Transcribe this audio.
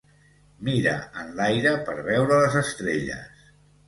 Mira enlaire per veure les estrelles